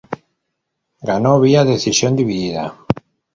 Ganó vía decisión dividida.